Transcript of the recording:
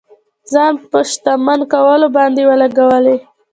ځان په شتمن کولو باندې ولګولې.